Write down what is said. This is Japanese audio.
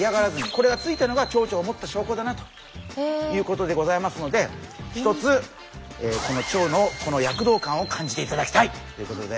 これがついたのがチョウチョを持った証こだなということでございますのでひとつこのチョウの躍動感を感じていただきたいということで。